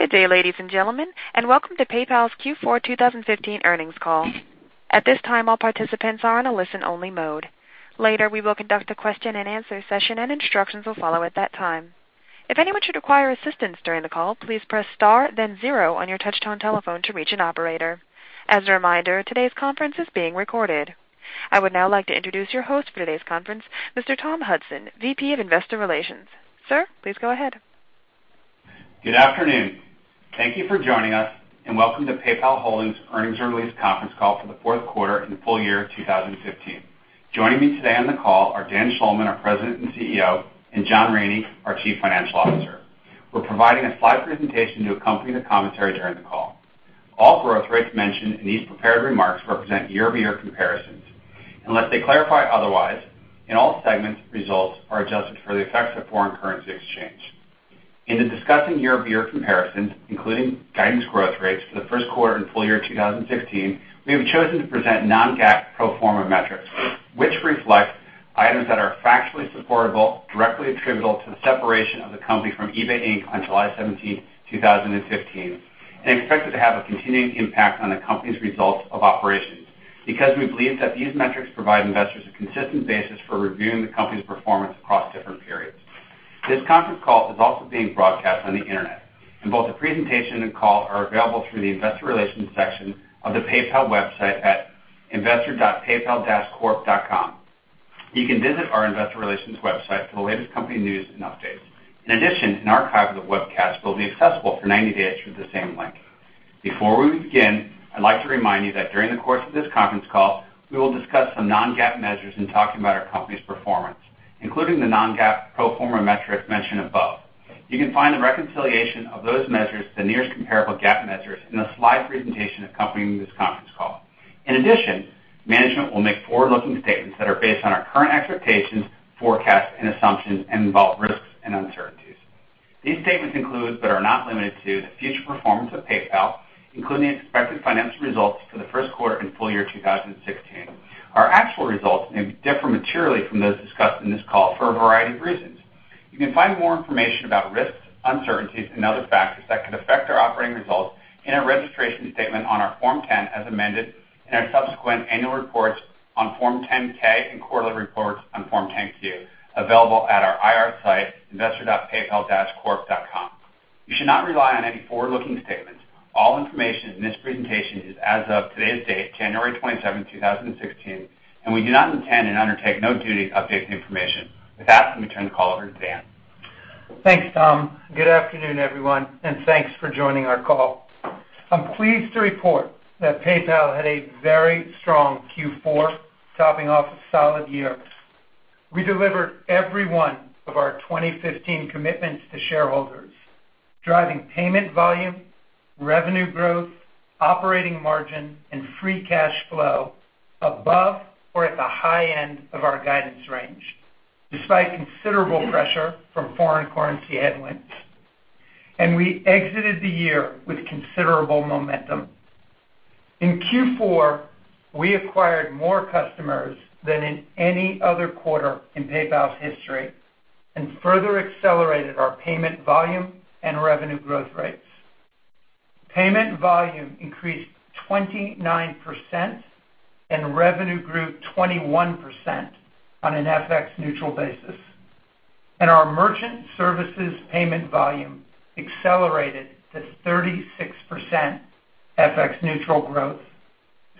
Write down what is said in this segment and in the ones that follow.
Good day, ladies and gentlemen, welcome to PayPal's Q4 2015 earnings call. At this time, all participants are in a listen-only mode. Later, we will conduct a question and answer session, instructions will follow at that time. If anyone should require assistance during the call, please press star then zero on your touch-tone telephone to reach an operator. As a reminder, today's conference is being recorded. I would now like to introduce your host for today's conference, Mr. Tom Hudson, VP of Investor Relations. Sir, please go ahead. Good afternoon. Thank you for joining us, welcome to PayPal Holdings' earnings release conference call for the fourth quarter and the full year of 2015. Joining me today on the call are Dan Schulman, our President and CEO, and John Rainey, our Chief Financial Officer. We're providing a slide presentation to accompany the commentary during the call. All growth rates mentioned in these prepared remarks represent year-over-year comparisons unless they clarify otherwise. In all segments, results are adjusted for the effects of foreign currency exchange. In discussing year-over-year comparisons, including guidance growth rates for the first quarter and full year 2016, we have chosen to present non-GAAP pro forma metrics, which reflect items that are factually supportable, directly attributable to the separation of the company from eBay Inc. on July 17th, 2015, and expected to have a continuing impact on the company's results of operations because we believe that these metrics provide investors a consistent basis for reviewing the company's performance across different periods. This conference call is also being broadcast on the Internet, both the presentation and call are available through the investor relations section of the PayPal website at investor.paypal-corp.com. You can visit our investor relations website for the latest company news and updates. In addition, an archive of the webcast will be accessible for 90 days through the same link. Before we begin, I'd like to remind you that during the course of this conference call, we will discuss some non-GAAP measures in talking about our company's performance, including the non-GAAP pro forma metrics mentioned above. You can find the reconciliation of those measures to the nearest comparable GAAP measures in the slide presentation accompanying this conference call. In addition, management will make forward-looking statements that are based on our current expectations, forecasts, and assumptions and involve risks and uncertainties. These statements include, but are not limited to, the future performance of PayPal, including the expected financial results for the first quarter and full year 2016. Our actual results may differ materially from those discussed in this call for a variety of reasons. You can find more information about risks, uncertainties, and other factors that could affect our operating results in our registration statement on our Form 10 as amended and our subsequent annual reports on Form 10-K and quarterly reports on Form 10-Q, available at our IR site, investor.paypal-corp.com. You should not rely on any forward-looking statements. All information in this presentation is as of today's date, January 27th, 2016. We do not intend and undertake no duty to update any information. With that, let me turn the call over to Dan. Thanks, Tom. Good afternoon, everyone. Thanks for joining our call. I'm pleased to report that PayPal had a very strong Q4, topping off a solid year. We delivered every one of our 2015 commitments to shareholders, driving payment volume, revenue growth, operating margin, and free cash flow above or at the high end of our guidance range, despite considerable pressure from foreign currency headwinds. We exited the year with considerable momentum. In Q4, we acquired more customers than in any other quarter in PayPal's history and further accelerated our payment volume and revenue growth rates. Payment volume increased 29%, and revenue grew 21% on an FX neutral basis. Our merchant services payment volume accelerated to 36% FX neutral growth,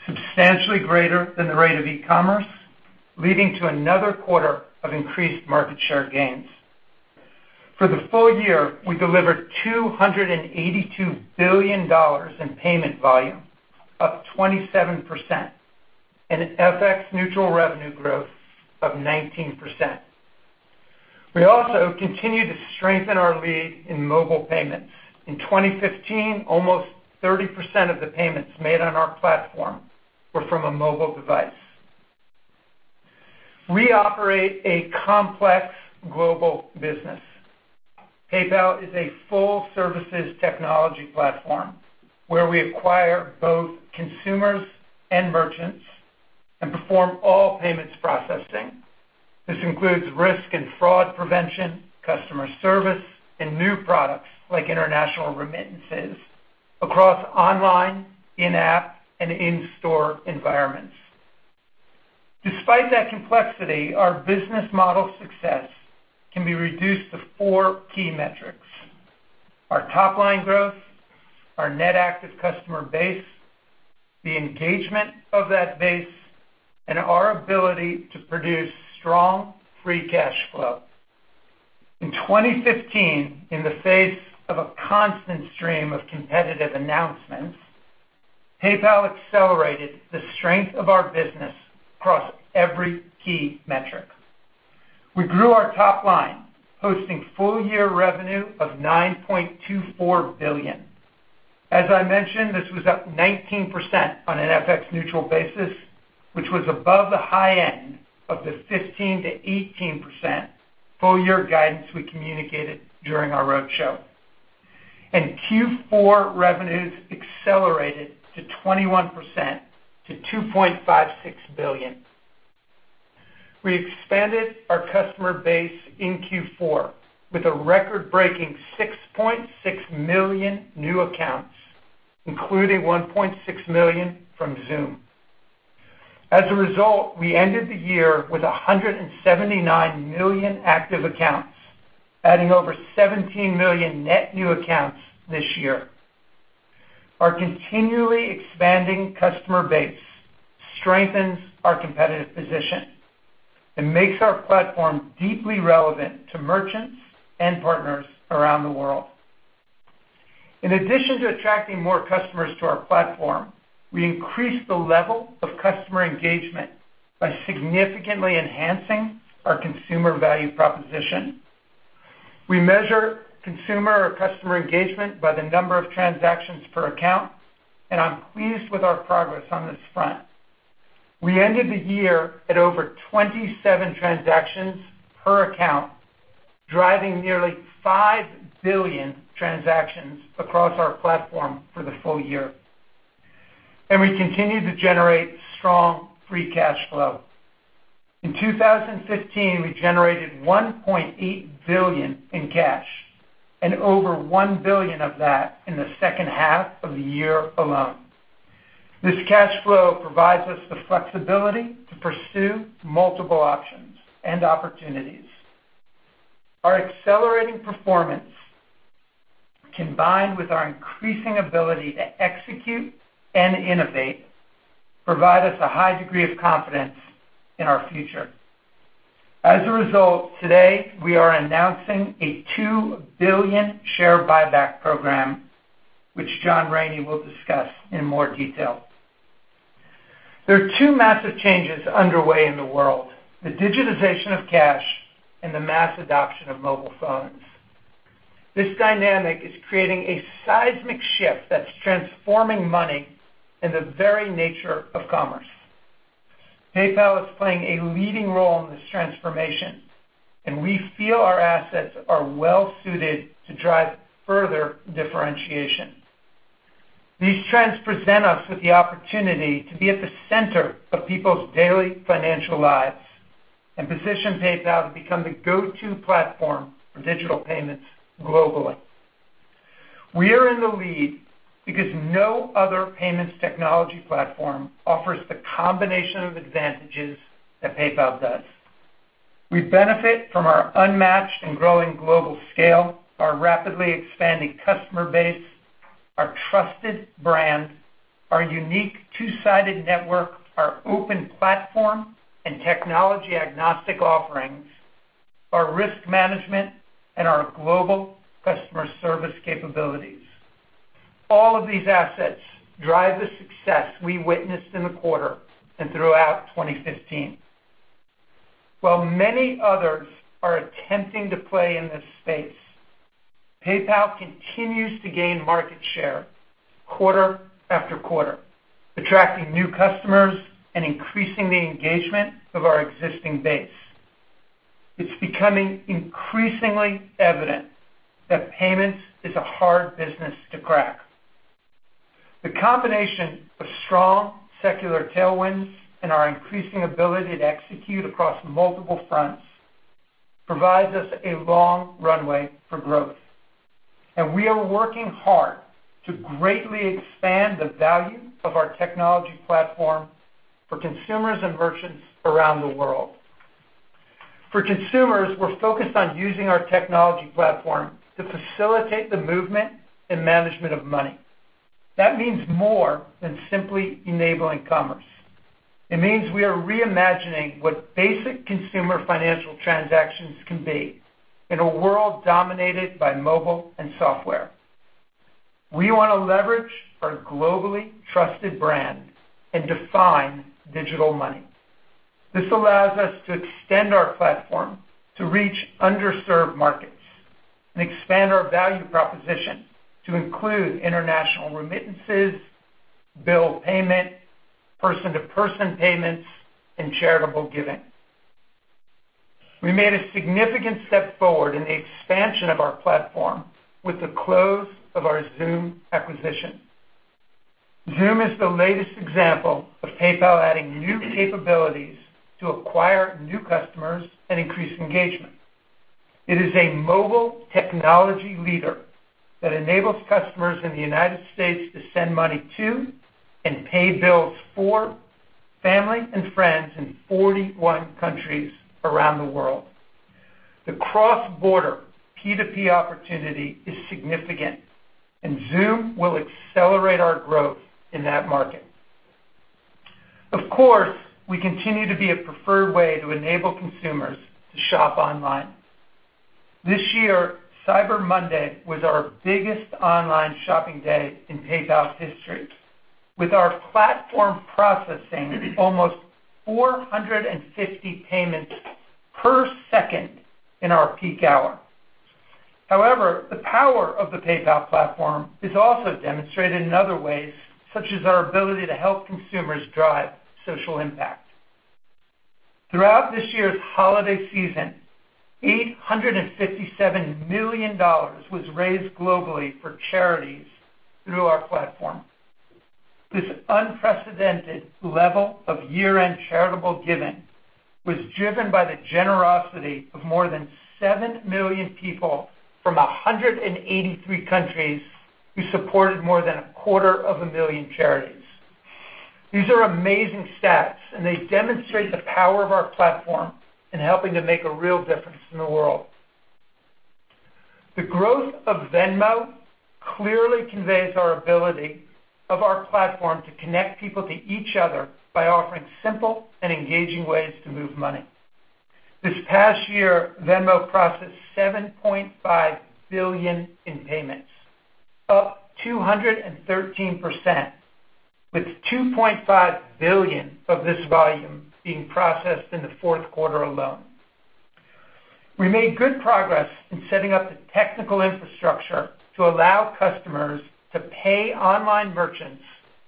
substantially greater than the rate of e-commerce, leading to another quarter of increased market share gains. For the full year, we delivered $282 billion in payment volume, up 27%. FX neutral revenue growth of 19%. We also continued to strengthen our lead in mobile payments. In 2015, almost 30% of the payments made on our platform were from a mobile device. We operate a complex global business. PayPal is a full-services technology platform where we acquire both consumers and merchants and perform all payments processing. This includes risk and fraud prevention, customer service, and new products like international remittances across online, in-app, and in-store environments. Despite that complexity, our business model success can be reduced to four key metrics: our top-line growth, our net active customer base, the engagement of that base, and our ability to produce strong free cash flow. In 2015, in the face of a constant stream of competitive announcements, PayPal accelerated the strength of our business across every key metric. We grew our top line, posting full-year revenue of $9.24 billion. As I mentioned, this was up 19% on an FX neutral basis, which was above the high end of the 15%-18% full-year guidance we communicated during our roadshow. Q4 revenues accelerated to 21% to $2.56 billion. We expanded our customer base in Q4 with a record-breaking 6.6 million new accounts, including 1.6 million from Xoom. As a result, we ended the year with 179 million active accounts, adding over 17 million net new accounts this year. Our continually expanding customer base strengthens our competitive position and makes our platform deeply relevant to merchants and partners around the world. In addition to attracting more customers to our platform, we increased the level of customer engagement by significantly enhancing our consumer value proposition. We measure consumer or customer engagement by the number of transactions per account, and I am pleased with our progress on this front. We ended the year at over 27 transactions per account, driving nearly 5 billion transactions across our platform for the full year. We continued to generate strong free cash flow. In 2015, we generated $1.8 billion in cash and over $1 billion of that in the second half of the year alone. This cash flow provides us the flexibility to pursue multiple options and opportunities. Our accelerating performance, combined with our increasing ability to execute and innovate, provide us a high degree of confidence in our future. As a result, today, we are announcing a 2 billion share buyback program, which John Rainey will discuss in more detail. There are two massive changes underway in the world, the digitization of cash and the mass adoption of mobile phones. This dynamic is creating a seismic shift that is transforming money and the very nature of commerce. PayPal is playing a leading role in this transformation, and we feel our assets are well-suited to drive further differentiation. These trends present us with the opportunity to be at the center of people's daily financial lives and position PayPal to become the go-to platform for digital payments globally. We are in the lead because no other payments technology platform offers the combination of advantages that PayPal does. We benefit from our unmatched and growing global scale, our rapidly expanding customer base, our trusted brand, our unique two-sided network, our open platform and technology-agnostic offerings, our risk management, and our global customer service capabilities. All of these assets drive the success we witnessed in the quarter and throughout 2015. While many others are attempting to play in this space, PayPal continues to gain market share quarter after quarter, attracting new customers and increasing the engagement of our existing base. It is becoming increasingly evident that payments is a hard business to crack. The combination of strong secular tailwinds and our increasing ability to execute across multiple fronts provides us a long runway for growth, and we are working hard to greatly expand the value of our technology platform for consumers and merchants around the world. For consumers, we are focused on using our technology platform to facilitate the movement and management of money. That means more than simply enabling commerce. It means we are reimagining what basic consumer financial transactions can be in a world dominated by mobile and software. We want to leverage our globally trusted brand and define digital money. This allows us to extend our platform to reach underserved markets and expand our value proposition to include international remittances, bill payment, person-to-person payments, and charitable giving. We made a significant step forward in the expansion of our platform with the close of our Xoom acquisition. Xoom is the latest example of PayPal adding new capabilities to acquire new customers and increase engagement. It is a mobile technology leader that enables customers in the U.S. to send money to and pay bills for family and friends in 41 countries around the world. The cross-border P2P opportunity is significant, and Xoom will accelerate our growth in that market. Of course, we continue to be a preferred way to enable consumers to shop online. This year, Cyber Monday was our biggest online shopping day in PayPal's history, with our platform processing almost 450 payments per second in our peak hour. The power of the PayPal platform is also demonstrated in other ways, such as our ability to help consumers drive social impact. Throughout this year's holiday season, $857 million was raised globally for charities through our platform. This unprecedented level of year-end charitable giving was driven by the generosity of more than seven million people from 183 countries who supported more than a quarter of a million charities. These are amazing stats, and they demonstrate the power of our platform in helping to make a real difference in the world. The growth of Venmo clearly conveys our ability of our platform to connect people to each other by offering simple and engaging ways to move money. This past year, Venmo processed $7.5 billion in payments, up 213%, with $2.5 billion of this volume being processed in the fourth quarter alone. We made good progress in setting up the technical infrastructure to allow customers to pay online merchants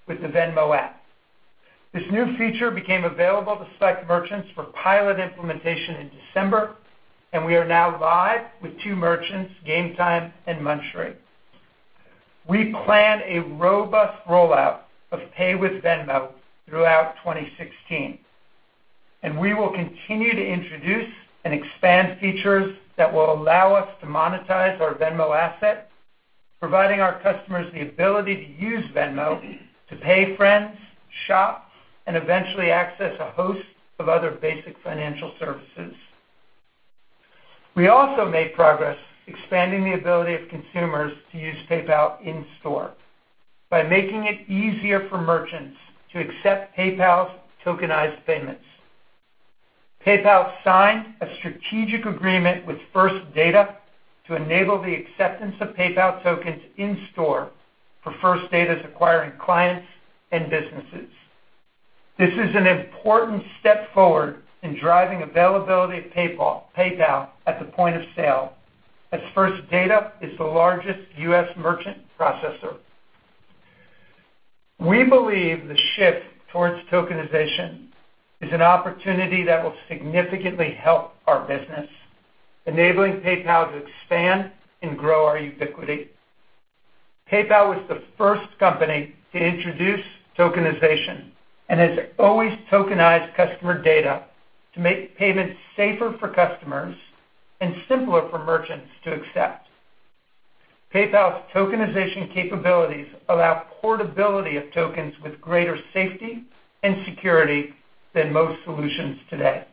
with the Venmo app. This new feature became available to select merchants for pilot implementation in December, we are now live with two merchants, Gametime and Munchery. We plan a robust rollout of Pay with Venmo throughout 2016, we will continue to introduce and expand features that will allow us to monetize our Venmo asset, providing our customers the ability to use Venmo to pay friends, shop, and eventually access a host of other basic financial services. We also made progress expanding the ability of consumers to use PayPal in-store by making it easier for merchants to accept PayPal's tokenized payments. PayPal signed a strategic agreement with First Data to enable the acceptance of PayPal tokens in-store for First Data's acquiring clients and businesses. This is an important step forward in driving availability of PayPal at the point of sale, as First Data is the largest U.S. merchant processor. We believe the shift towards tokenization is an opportunity that will significantly help our business, enabling PayPal to expand and grow our ubiquity. PayPal was the first company to introduce tokenization and has always tokenized customer data to make payments safer for customers and simpler for merchants to accept. PayPal's tokenization capabilities allow portability of tokens with greater safety and security than most solutions today.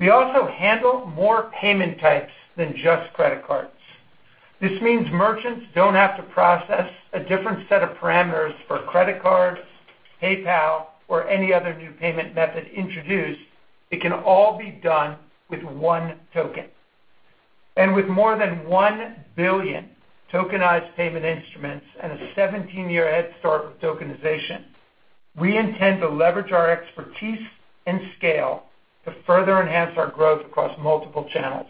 We also handle more payment types than just credit cards. This means merchants don't have to process a different set of parameters for credit card, PayPal, or any other new payment method introduced. It can all be done with one token. With more than one billion tokenized payment instruments and a 17-year head start with tokenization, we intend to leverage our expertise and scale to further enhance our growth across multiple channels.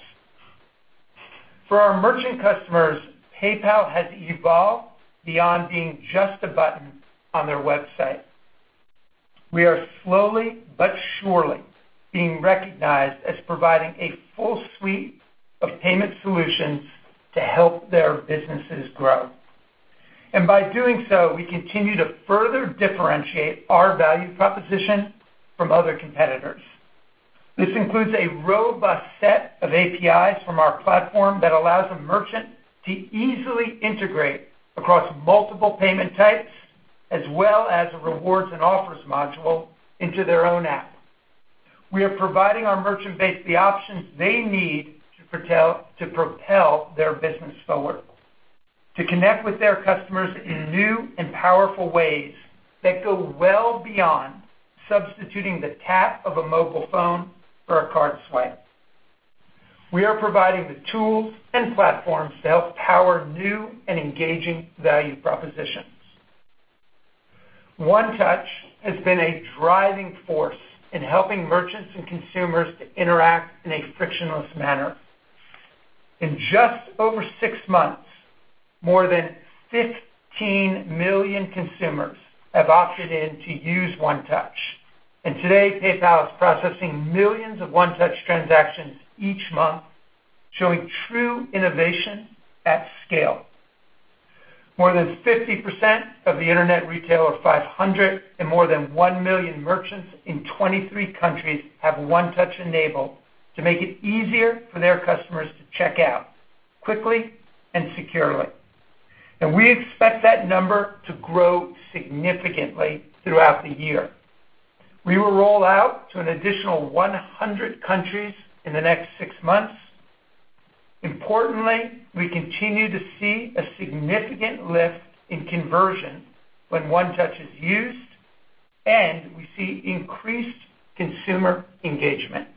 For our merchant customers, PayPal has evolved beyond being just a button on their website. We are slowly but surely being recognized as providing a full suite of payment solutions to help their businesses grow. By doing so, we continue to further differentiate our value proposition from other competitors. This includes a robust set of APIs from our platform that allows a merchant to easily integrate across multiple payment types, as well as a rewards and offers module into their own app. We are providing our merchant base the options they need to propel their business forward, to connect with their customers in new and powerful ways that go well beyond substituting the tap of a mobile phone or a card swipe. We are providing the tools and platforms to help power new and engaging value propositions. One Touch has been a driving force in helping merchants and consumers to interact in a frictionless manner. In just over six months, more than 15 million consumers have opted in to use One Touch, and today, PayPal is processing millions of One Touch transactions each month, showing true innovation at scale. More than 50% of the Internet Retailer 500 and more than one million merchants in 23 countries have One Touch enabled to make it easier for their customers to check out quickly and securely. We expect that number to grow significantly throughout the year. We will roll out to an additional 100 countries in the next six months. Importantly, we continue to see a significant lift in conversion when One Touch is used, and we see increased consumer engagement.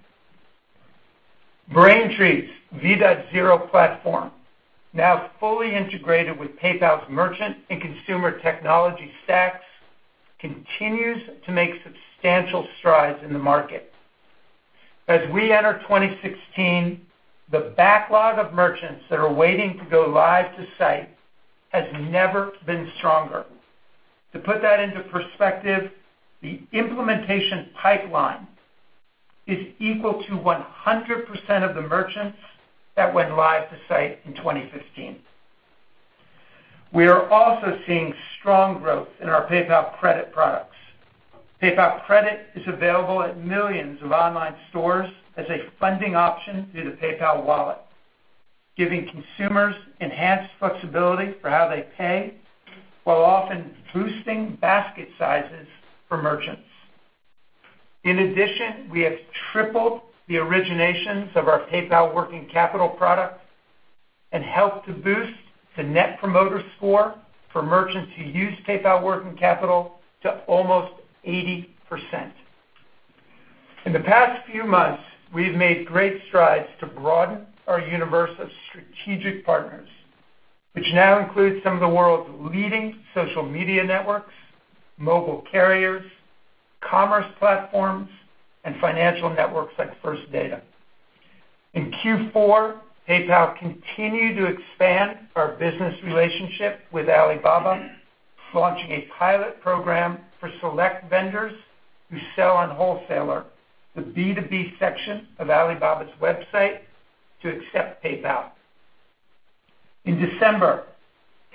Braintree's v.zero platform, now fully integrated with PayPal's merchant and consumer technology stacks, continues to make substantial strides in the market. As we enter 2016, the backlog of merchants that are waiting to go live to site has never been stronger. To put that into perspective, the implementation pipeline is equal to 100% of the merchants that went live to site in 2015. We are also seeing strong growth in our PayPal Credit products. PayPal Credit is available at millions of online stores as a funding option through the PayPal wallet, giving consumers enhanced flexibility for how they pay, while often boosting basket sizes for merchants. In addition, we have tripled the originations of our PayPal Working Capital product and helped to boost the Net Promoter Score for merchants who use PayPal Working Capital to almost 80%. In the past few months, we've made great strides to broaden our universe of strategic partners, which now includes some of the world's leading social media networks, mobile carriers, commerce platforms, and financial networks like First Data. In Q4, PayPal continued to expand our business relationship with Alibaba, launching a pilot program for select vendors who sell on alibaba.com, the B2B section of Alibaba's website, to accept PayPal. In December,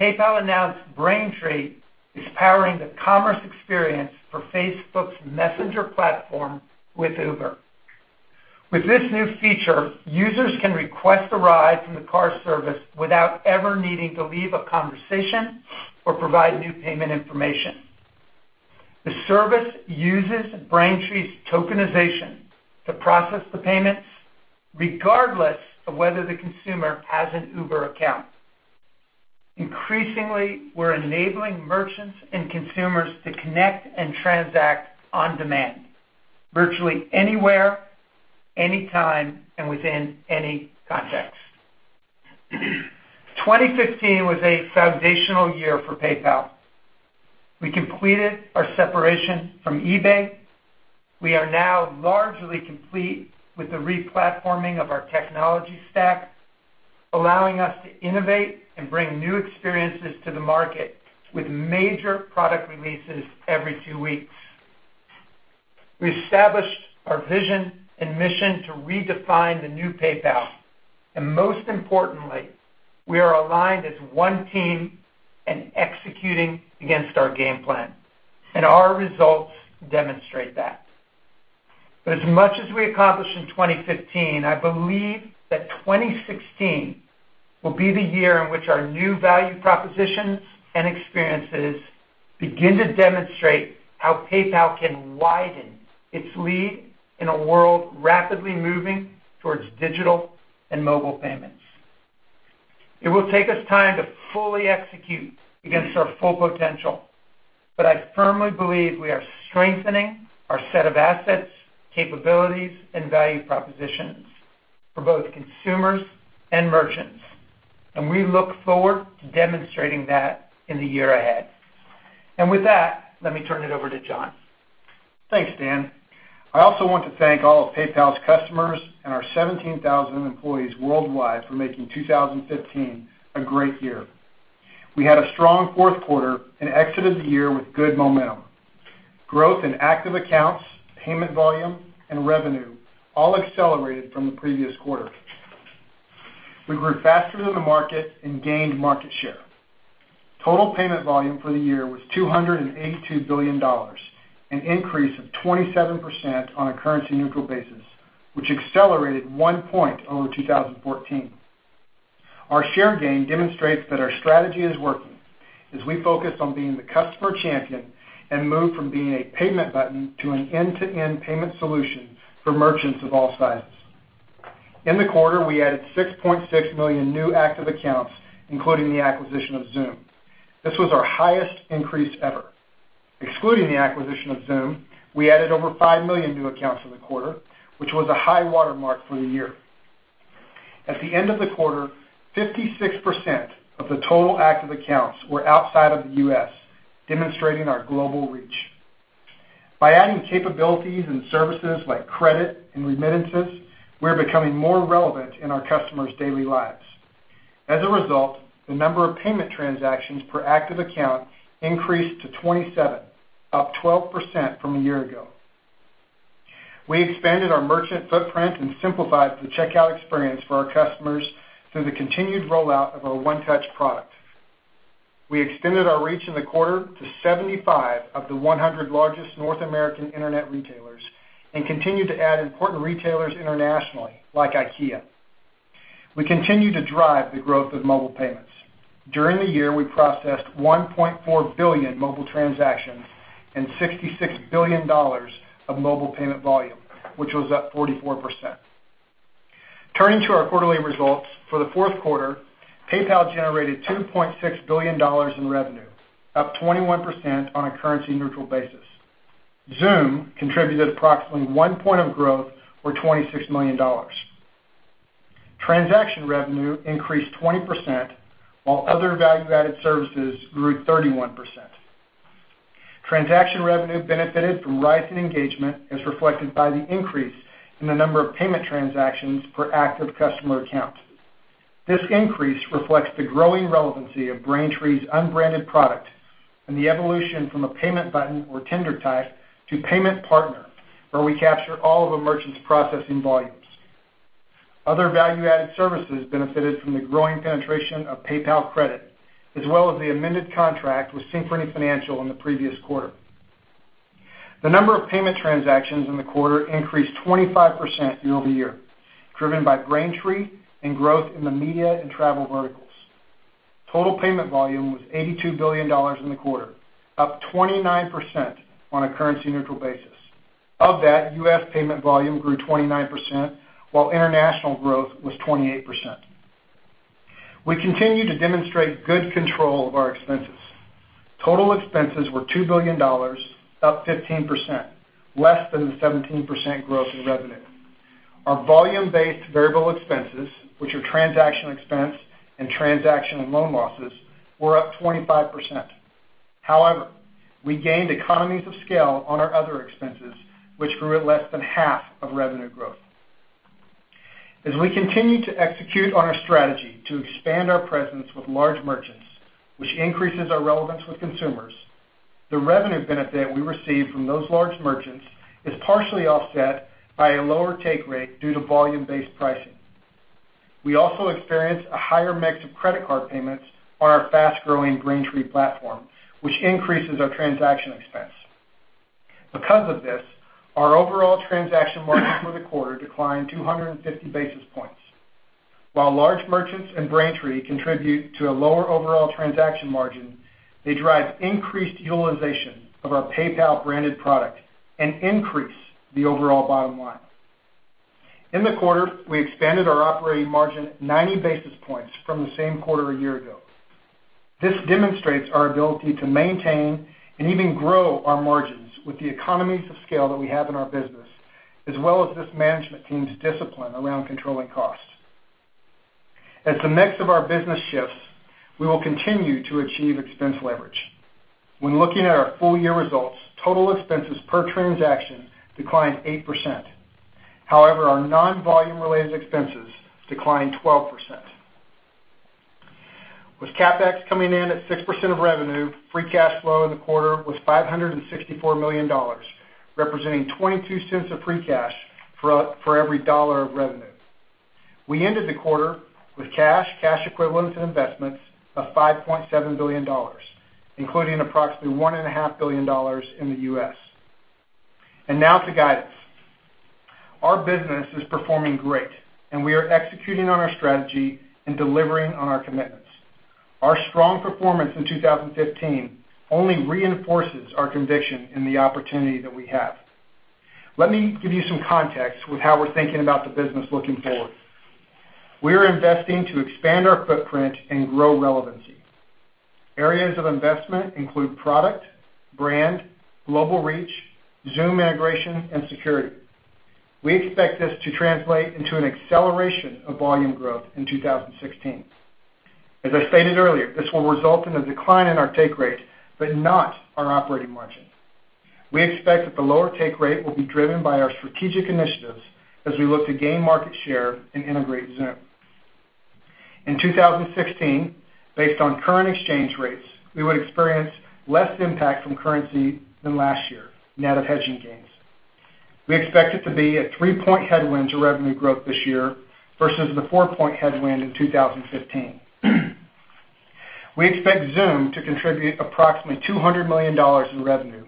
PayPal announced Braintree is powering the commerce experience for Facebook's Messenger platform with Uber. With this new feature, users can request a ride from the car service without ever needing to leave a conversation or provide new payment information. The service uses Braintree's tokenization to process the payments regardless of whether the consumer has an Uber account. Increasingly, we're enabling merchants and consumers to connect and transact on demand virtually anywhere, anytime, and within any context. 2015 was a foundational year for PayPal. We completed our separation from eBay. We are now largely complete with the re-platforming of our technology stack, allowing us to innovate and bring new experiences to the market with major product releases every two weeks. We established our vision and mission to redefine the new PayPal, and most importantly, we are aligned as one team and executing against our game plan, and our results demonstrate that. As much as we accomplished in 2015, I believe that 2016 will be the year in which our new value propositions and experiences begin to demonstrate how PayPal can widen its lead in a world rapidly moving towards digital and mobile payments. It will take us time to fully execute against our full potential, but I firmly believe we are strengthening our set of assets, capabilities, and value propositions for both consumers and merchants, and we look forward to demonstrating that in the year ahead. With that, let me turn it over to John. Thanks, Dan. I also want to thank all of PayPal's customers and our 17,000 employees worldwide for making 2015 a great year. We had a strong fourth quarter and exited the year with good momentum, growth in active accounts, payment volume, and revenue, all accelerated from the previous quarter. We grew faster than the market and gained market share. Total payment volume for the year was $282 billion, an increase of 27% on a currency-neutral basis, which accelerated one point over 2014. Our share gain demonstrates that our strategy is working as we focus on being the customer champion and move from being a payment button to an end-to-end payment solution for merchants of all sizes. In the quarter, we added 6.6 million new active accounts, including the acquisition of Xoom. This was our highest increase ever. Excluding the acquisition of Xoom, we added over five million new accounts in the quarter, which was a high-water mark for the year. At the end of the quarter, 56% of the total active accounts were outside of the U.S., demonstrating our global reach. By adding capabilities and services like credit and remittances, we are becoming more relevant in our customers' daily lives. As a result, the number of payment transactions per active account increased to 27, up 12% from a year ago. We expanded our merchant footprint and simplified the checkout experience for our customers through the continued rollout of our One Touch product. We extended our reach in the quarter to 75 of the 100 largest North American internet retailers and continued to add important retailers internationally, like IKEA. We continue to drive the growth of mobile payments. During the year, we processed 1.4 billion mobile transactions and $66 billion of mobile payment volume, which was up 44%. Turning to our quarterly results. For the fourth quarter, PayPal generated $2.6 billion in revenue, up 21% on a currency-neutral basis. Xoom contributed approximately one point of growth or $26 million. Transaction revenue increased 20%, while other value-added services grew 31%. Transaction revenue benefited from rising engagement as reflected by the increase in the number of payment transactions per active customer account. This increase reflects the growing relevancy of Braintree's unbranded product and the evolution from a payment button or tender type to payment partner, where we capture all of a merchant's processing volumes. Other value-added services benefited from the growing penetration of PayPal Credit, as well as the amended contract with Synchrony Financial in the previous quarter. The number of payment transactions in the quarter increased 25% year-over-year, driven by Braintree and growth in the media and travel verticals. Total payment volume was $82 billion in the quarter, up 29% on a currency-neutral basis. Of that, U.S. payment volume grew 29%, while international growth was 28%. We continue to demonstrate good control of our expenses. Total expenses were $2 billion, up 15%, less than the 17% growth in revenue. Our volume-based variable expenses, which are transactional expense and transaction and loan losses, were up 25%. However, we gained economies of scale on our other expenses, which grew at less than half of revenue growth. As we continue to execute on our strategy to expand our presence with large merchants, which increases our relevance with consumers, the revenue benefit we receive from those large merchants is partially offset by a lower take rate due to volume-based pricing. We also experienced a higher mix of credit card payments on our fast-growing Braintree platform, which increases our transaction expense. Because of this, our overall transaction margin for the quarter declined 250 basis points. While large merchants and Braintree contribute to a lower overall transaction margin, they drive increased utilization of our PayPal-branded product and increase the overall bottom line. In the quarter, we expanded our operating margin 90 basis points from the same quarter a year ago. This demonstrates our ability to maintain and even grow our margins with the economies of scale that we have in our business, as well as this management team's discipline around controlling costs. As the mix of our business shifts, we will continue to achieve expense leverage. When looking at our full-year results, total expenses per transaction declined 8%. However, our non-volume-related expenses declined 12%. With CapEx coming in at 6% of revenue, free cash flow in the quarter was $564 million, representing $0.22 of free cash for every dollar of revenue. We ended the quarter with cash equivalents, and investments of $5.7 billion, including approximately $1.5 billion in the U.S. Now to guidance. Our business is performing great, and we are executing on our strategy and delivering on our commitments. Our strong performance in 2015 only reinforces our conviction in the opportunity that we have. Let me give you some context with how we're thinking about the business looking forward. We are investing to expand our footprint and grow relevancy. Areas of investment include product, brand, global reach, Xoom integration, and security. We expect this to translate into an acceleration of volume growth in 2016. As I stated earlier, this will result in a decline in our take rate, but not our operating margin. We expect that the lower take rate will be driven by our strategic initiatives as we look to gain market share and integrate Xoom. In 2016, based on current exchange rates, we would experience less impact from currency than last year, net of hedging gains. We expect it to be a three-point headwind to revenue growth this year versus the four-point headwind in 2015. We expect Xoom to contribute approximately $200 million in revenue,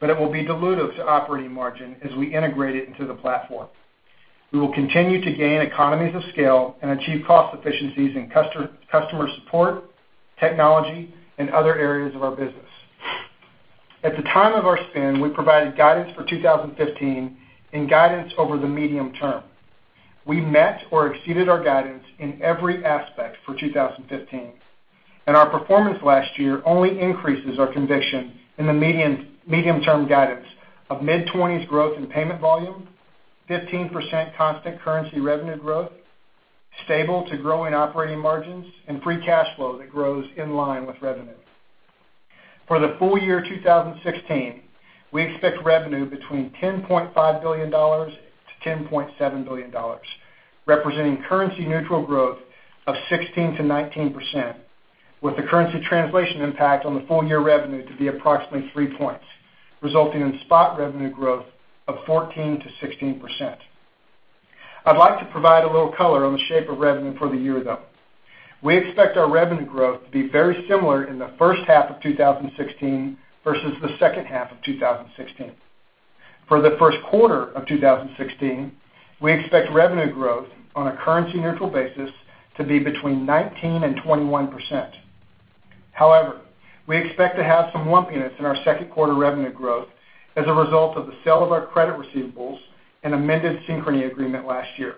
but it will be dilutive to operating margin as we integrate it into the platform. We will continue to gain economies of scale and achieve cost efficiencies in customer support, technology, and other areas of our business. At the time of our spin, we provided guidance for 2015 and guidance over the medium term. We met or exceeded our guidance in every aspect for 2015, and our performance last year only increases our conviction in the medium-term guidance of mid-20s growth in payment volume, 15% constant currency revenue growth, stable to growing operating margins, and free cash flow that grows in line with revenue. For the full year 2016, we expect revenue between $10.5 billion-$10.7 billion, representing currency neutral growth of 16%-19%, with the currency translation impact on the full year revenue to be approximately three points, resulting in spot revenue growth of 14%-16%. I'd like to provide a little color on the shape of revenue for the year, though. We expect our revenue growth to be very similar in the first half of 2016 versus the second half of 2016. For the first quarter of 2016, we expect revenue growth on a currency neutral basis to be between 19% and 21%. However, we expect to have some lumpiness in our second quarter revenue growth as a result of the sale of our credit receivables and amended Synchrony agreement last year.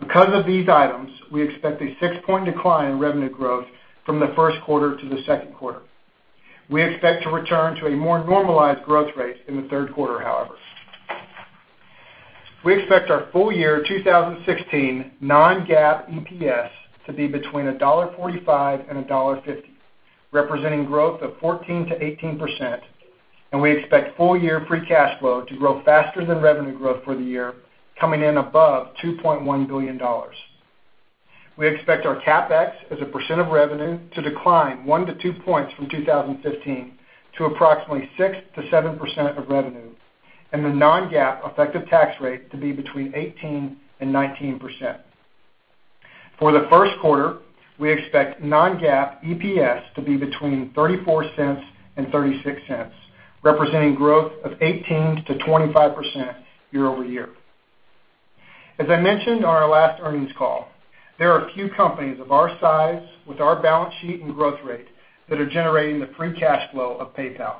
Because of these items, we expect a six-point decline in revenue growth from the first quarter to the second quarter. We expect to return to a more normalized growth rate in the third quarter, however. We expect our full year 2016 non-GAAP EPS to be between $1.45 and $1.50, representing growth of 14%-18%, and we expect full year free cash flow to grow faster than revenue growth for the year, coming in above $2.1 billion. We expect our CapEx as a percent of revenue to decline one to two points from 2015 to approximately 6%-7% of revenue, and the non-GAAP effective tax rate to be between 18% and 19%. For the first quarter, we expect non-GAAP EPS to be between $0.34 and $0.36, representing growth of 18%-25% year-over-year. As I mentioned on our last earnings call, there are a few companies of our size with our balance sheet and growth rate that are generating the free cash flow of PayPal.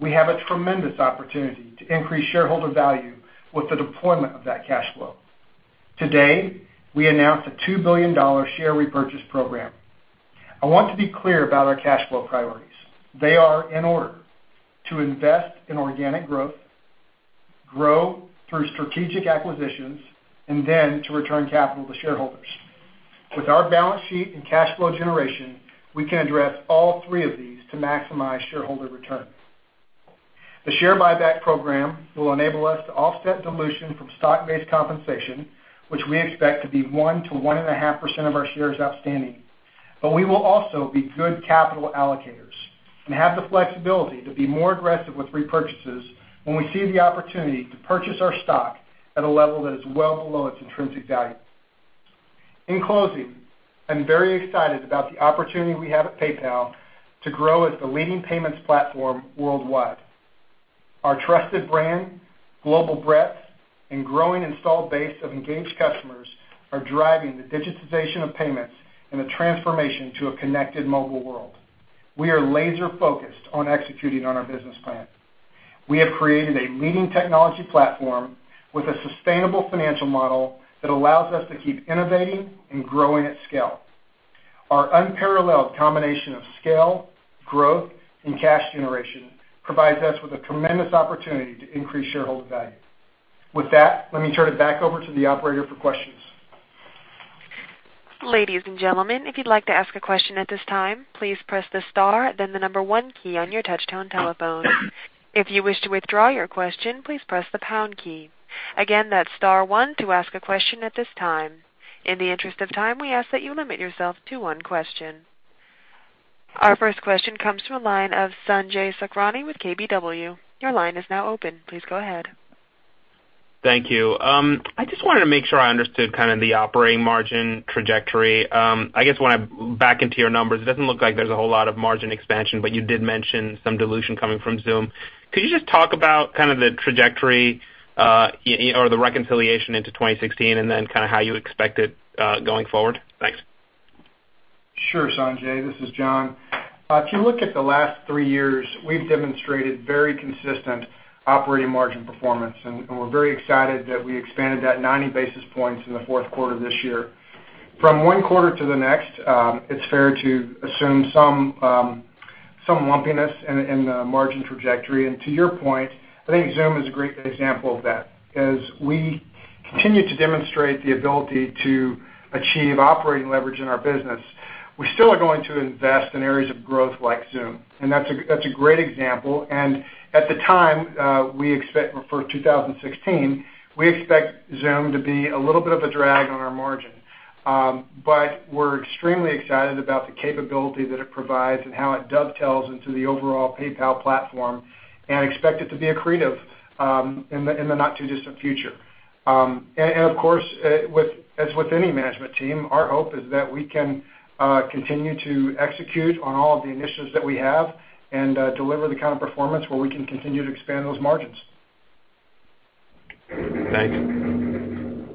We have a tremendous opportunity to increase shareholder value with the deployment of that cash flow. Today, we announced a $2 billion share repurchase program. I want to be clear about our cash flow priorities. They are, in order, to invest in organic growth, grow through strategic acquisitions, and then to return capital to shareholders. With our balance sheet and cash flow generation, we can address all three of these to maximize shareholder returns. The share buyback program will enable us to offset dilution from stock-based compensation, which we expect to be 1% to 1.5% of our shares outstanding. We will also be good capital allocators and have the flexibility to be more aggressive with repurchases when we see the opportunity to purchase our stock at a level that is well below its intrinsic value. In closing, I'm very excited about the opportunity we have at PayPal to grow as the leading payments platform worldwide. Our trusted brand, global breadth, and growing installed base of engaged customers are driving the digitization of payments and the transformation to a connected mobile world. We are laser-focused on executing on our business plan. We have created a leading technology platform with a sustainable financial model that allows us to keep innovating and growing at scale. Our unparalleled combination of scale, growth, and cash generation provides us with a tremendous opportunity to increase shareholder value. With that, let me turn it back over to the operator for questions. Ladies and gentlemen, if you'd like to ask a question at this time, please press the star then the number one key on your touch-tone telephone. If you wish to withdraw your question, please press the pound key. Again, that's star one to ask a question at this time. In the interest of time, we ask that you limit yourself to one question. Our first question comes from the line of Sanjay Sakhrani with KBW. Your line is now open. Please go ahead. Thank you. I just wanted to make sure I understood the operating margin trajectory. I guess when I back into your numbers, it doesn't look like there's a whole lot of margin expansion. You did mention some dilution coming from Xoom. Could you just talk about the trajectory or the reconciliation into 2016, and then how you expect it going forward? Thanks. Sure, Sanjay. This is John. If you look at the last three years, we've demonstrated very consistent operating margin performance, and we're very excited that we expanded that 90 basis points in the fourth quarter this year. From one quarter to the next, it's fair to assume some lumpiness in the margin trajectory. To your point, I think Xoom is a great example of that. As we continue to demonstrate the ability to achieve operating leverage in our business, we still are going to invest in areas of growth like Xoom. That's a great example, and at the time, for 2016, we expect Xoom to be a little bit of a drag on our margin. We're extremely excited about the capability that it provides and how it dovetails into the overall PayPal platform and expect it to be accretive in the not-too-distant future. Of course, as with any management team, our hope is that we can continue to execute on all of the initiatives that we have and deliver the kind of performance where we can continue to expand those margins. Thanks.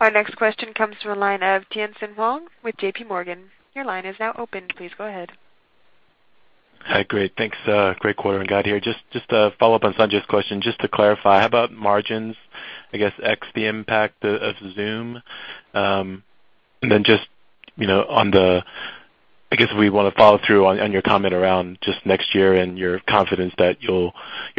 Our next question comes from the line of Tien-Tsin Huang with JPMorgan. Your line is now open. Please go ahead. Hi. Great. Thanks. Great quarter you got here. Just to follow up on Sanjay's question, just to clarify, how about margins, I guess, ex the impact of Xoom? Just on the, I guess we want to follow through on your comment around just next year and your confidence that your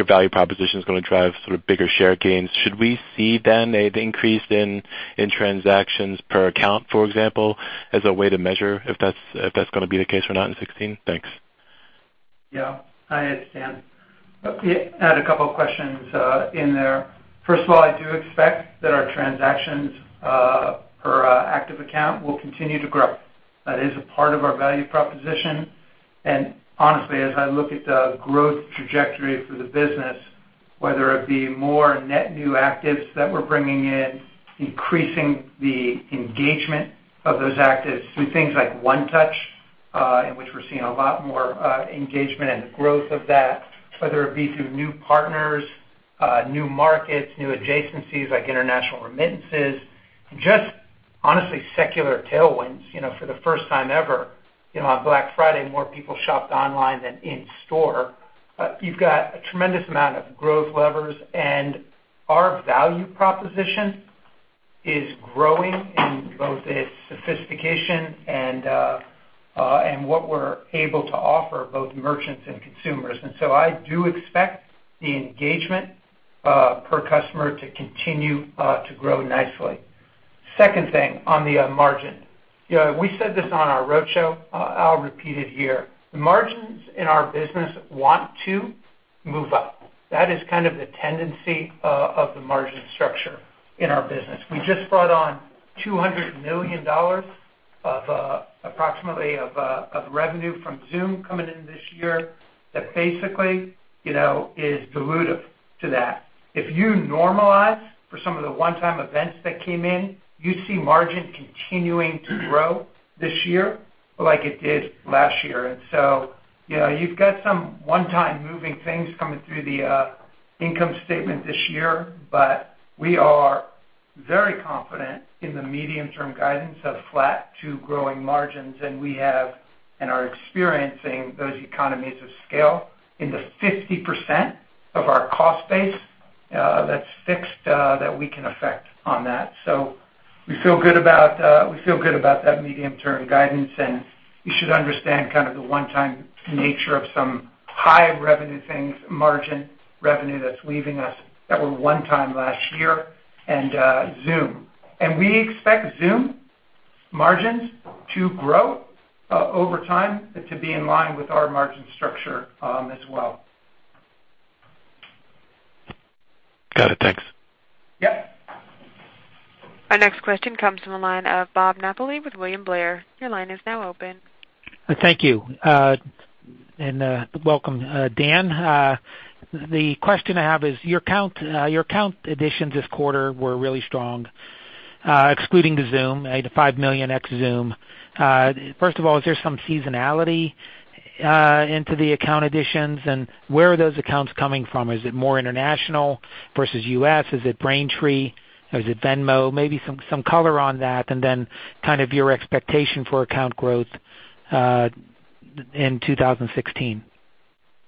value proposition is going to drive sort of bigger share gains. Should we see then an increase in transactions per account, for example, as a way to measure if that's going to be the case or not in 2016? Thanks. Yeah, I understand. You had a couple of questions in there. First of all, I do expect that our transactions per active account will continue to grow. That is a part of our value proposition. Honestly, as I look at the growth trajectory for the business, whether it be more net new actives that we're bringing in, increasing the engagement of those actives through things like One Touch, in which we're seeing a lot more engagement and growth of that, whether it be through new partners, new markets, new adjacencies like international remittances, just honestly secular tailwinds. For the first time ever, on Black Friday, more people shopped online than in store. You've got a tremendous amount of growth levers, and our value proposition is growing in both its sophistication and what we're able to offer both merchants and consumers. I do expect the engagement - per customer to continue to grow nicely. Second thing on the margin. We said this on our roadshow, I'll repeat it here. The margins in our business want to move up. That is kind of the tendency of the margin structure in our business. We just brought on $200 million approximately of revenue from Xoom coming in this year that basically is dilutive to that. If you normalize for some of the one-time events that came in, you'd see margin continuing to grow this year like it did last year. You've got some one-time moving things coming through the income statement this year, but we are very confident in the medium-term guidance of flat to growing margins, and we have and are experiencing those economies of scale in the 50% of our cost base that's fixed, that we can affect on that. We feel good about that medium-term guidance, and you should understand kind of the one-time nature of some high revenue things, margin revenue that's leaving us that were one time last year and Xoom. We expect Xoom margins to grow over time and to be in line with our margin structure as well. Got it. Thanks. Yeah. Our next question comes from the line of Bob Napoli with William Blair. Your line is now open. Thank you. Welcome, Dan. The question I have is, your account additions this quarter were really strong, excluding the Xoom, the 5 million ex-Xoom. First of all, is there some seasonality into the account additions, and where are those accounts coming from? Is it more international versus U.S.? Is it Braintree or is it Venmo? Maybe some color on that, then kind of your expectation for account growth in 2016.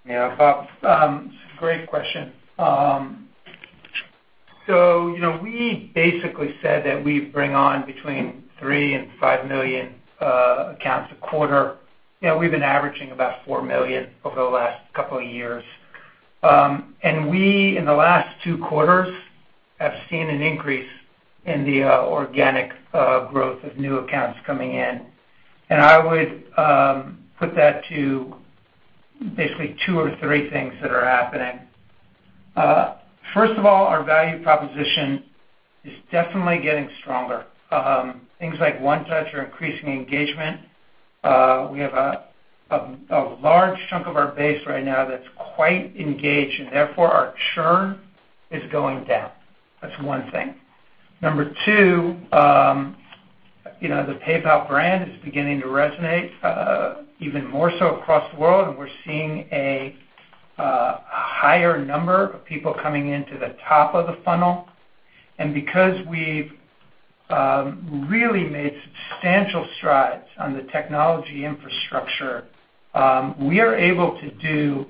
Bob, great question. We basically said that we bring on between 3 million and 5 million accounts a quarter. We've been averaging about 4 million over the last couple of years. We, in the last two quarters, have seen an increase in the organic growth of new accounts coming in. I would put that to basically two or three things that are happening. First of all, our value proposition is definitely getting stronger. Things like One Touch are increasing engagement. We have a large chunk of our base right now that's quite engaged, therefore, our churn is going down. That's one thing. Number 2, the PayPal brand is beginning to resonate even more so across the world, we're seeing a higher number of people coming into the top of the funnel. Because we've really made substantial strides on the technology infrastructure, we are able to do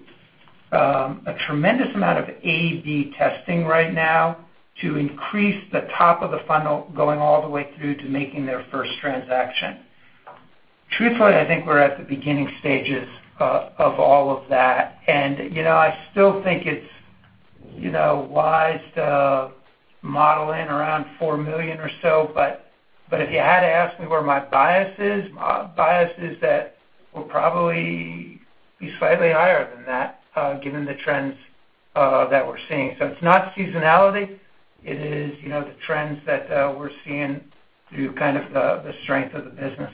a tremendous amount of A/B testing right now to increase the top of the funnel going all the way through to making their first transaction. Truthfully, I think we're at the beginning stages of all of that, I still think it's wise to model in around 4 million or so, but if you had to ask me where my bias is, my bias is that we'll probably be slightly higher than that given the trends that we're seeing. It's not seasonality. It is the trends that we're seeing through kind of the strength of the business.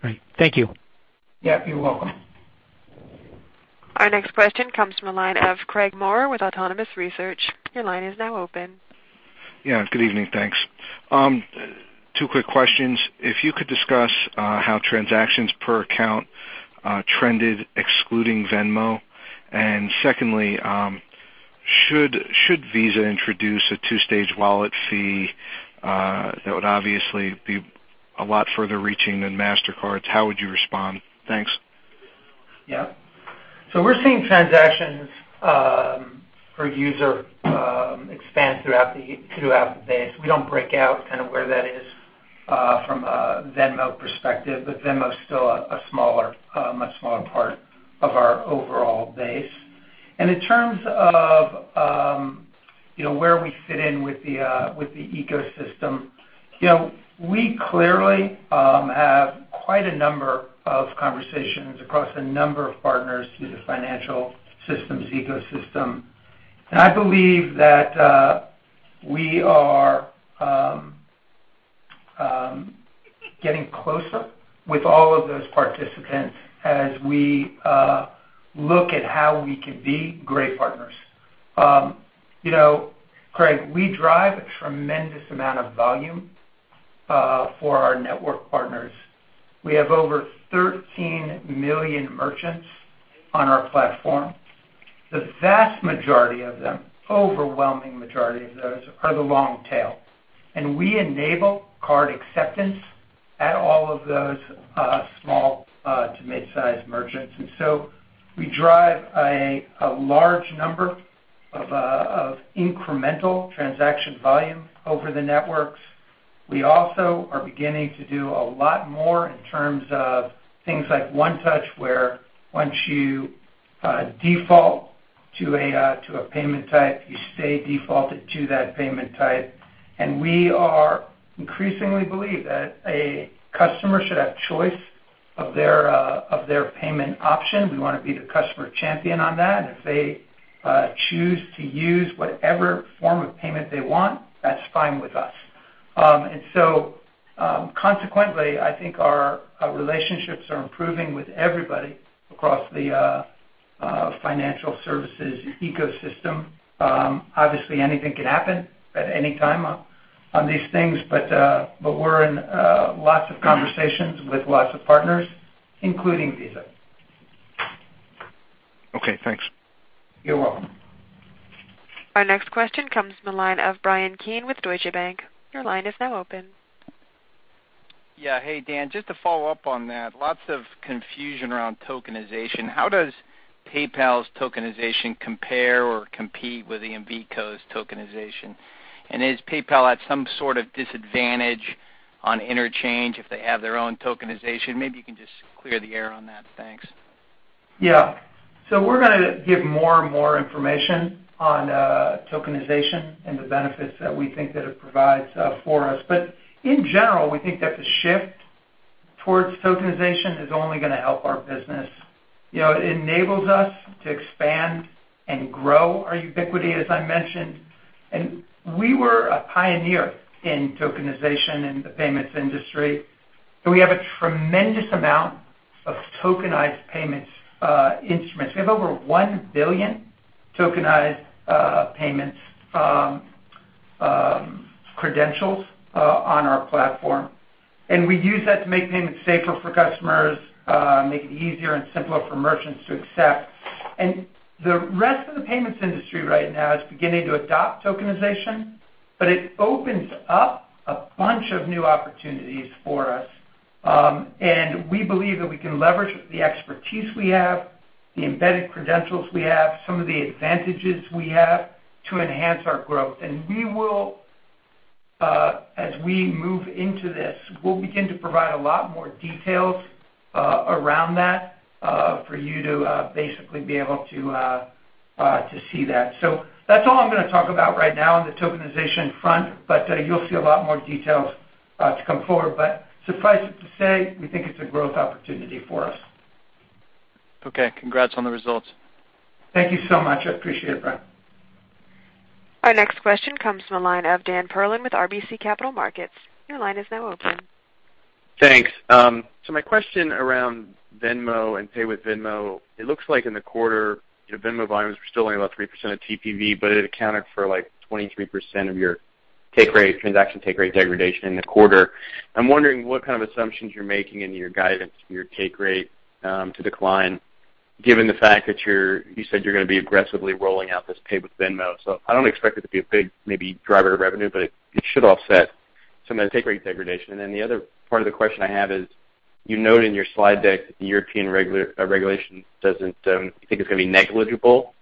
Great. Thank you. Yeah. You're welcome. Our next question comes from the line of Craig Maurer with Autonomous Research. Your line is now open. Yeah. Good evening. Thanks. Two quick questions. If you could discuss how transactions per account trended excluding Venmo. Secondly, should Visa introduce a 2-stage wallet fee that would obviously be a lot further reaching than Mastercard, how would you respond? Thanks. Yeah. We're seeing transactions per user expand throughout the base. We don't break out kind of where that is from a Venmo perspective, but Venmo's still a smaller part of our overall base. In terms of where we fit in with the ecosystem, we clearly have quite a number of conversations across a number of partners through the financial systems ecosystem. I believe that we are getting closer with all of those participants as we look at how we could be great partners. Craig, we drive a tremendous amount of volume for our network partners. We have over 13 million merchants on our platform. The vast majority of them, overwhelming majority of those are the long tail. We enable card acceptance at all of those small to mid-size merchants. We drive a large number of incremental transaction volume over the networks. We also are beginning to do a lot more in terms of things like One Touch, where once you default to a payment type, you stay defaulted to that payment type. We are increasingly believe that a customer should have choice of their payment option. We want to be the customer champion on that. If they choose to use whatever form of payment they want, that's fine with us. Consequently, I think our relationships are improving with everybody across the financial services ecosystem. Obviously, anything can happen at any time on these things, we're in lots of conversations with lots of partners, including Visa. Okay, thanks. You're welcome. Our next question comes from the line of Bryan Keane with Deutsche Bank. Your line is now open. Yeah. Hey, Dan. Just to follow up on that, lots of confusion around tokenization. How does PayPal's tokenization compare or compete with EMVCo's tokenization? Is PayPal at some sort of disadvantage on interchange if they have their own tokenization? Maybe you can just clear the air on that. Thanks. Yeah. We're going to give more and more information on tokenization and the benefits that we think that it provides for us. In general, we think that the shift towards tokenization is only going to help our business. It enables us to expand and grow our ubiquity, as I mentioned. We were a pioneer in tokenization in the payments industry, so we have a tremendous amount of tokenized payments instruments. We have over 1 billion tokenized payments credentials on our platform, and we use that to make payments safer for customers, make it easier and simpler for merchants to accept. The rest of the payments industry right now is beginning to adopt tokenization, it opens up a bunch of new opportunities for us. We believe that we can leverage the expertise we have, the embedded credentials we have, some of the advantages we have to enhance our growth. As we move into this, we'll begin to provide a lot more details around that for you to basically be able to see that. That's all I'm going to talk about right now on the tokenization front, you'll see a lot more details to come forward. Suffice it to say, we think it's a growth opportunity for us. Okay. Congrats on the results. Thank you so much. I appreciate it, Bryan. Our next question comes from the line of Dan Perlin with RBC Capital Markets. Your line is now open. Thanks. My question around Venmo and Pay with Venmo, it looks like in the quarter, Venmo volumes were still only about 3% of TPV, but it accounted for 23% of your take rate, transaction take rate degradation in the quarter. I'm wondering what kind of assumptions you're making in your guidance for your take rate to decline, given the fact that you said you're going to be aggressively rolling out this Pay with Venmo. I don't expect it to be a big maybe driver of revenue, but it should offset some of the take rate degradation. The other part of the question I have is, you noted in your slide deck that the European regulation doesn't You think it's going to be negligible